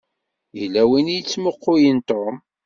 Yella win i yettmuqqulen Tom.